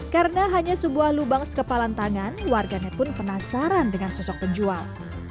karena hanya sebuah lubang sekepalan tangan warganya pun penasaran dengan sosok penjual